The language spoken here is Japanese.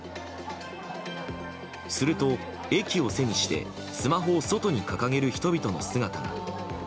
すると駅を背にしてスマホを外に掲げる人々の姿が。